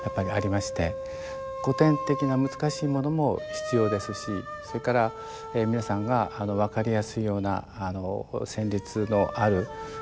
古典的な難しいものも必要ですしそれから皆さんが分かりやすいような旋律のある曲も大事だと。